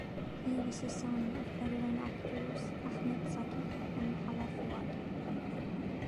He was the son of veteran actors Ahmed Zaki and Hala Fouad.